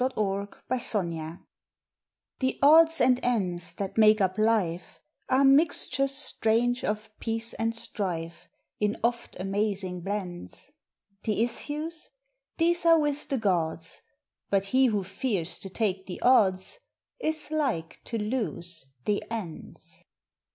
August Eighth ODDS AND ENDS Odds and Ends that make up life Are mixtures strange of peace and strife In oft amazing blends. The issues? These are with the Gods, But he who fears to take the Odds Is like to lose the Ends.